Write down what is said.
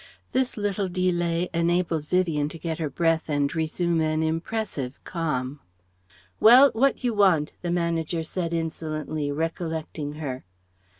This little delay enabled Vivien to get her breath and resume an impressive calm. "Well: what you want?" the Manager said insolently, recollecting her.